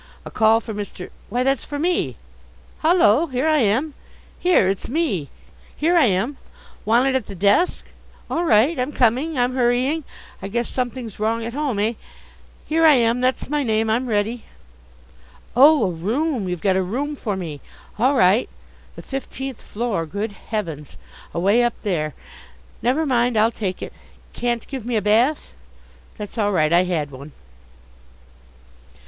A call for Mr. why, that's for me! Hullo! Here I am! Here, it's Me! Here I am wanted at the desk? all right, I'm coming, I'm hurrying. I guess something's wrong at home, eh! Here I am. That's my name. I'm ready. Oh, a room. You've got a room for me. All right. The fifteenth floor! Good heavens! Away up there! Never mind, I'll take it. Can't give me a bath? That's all right. I had one.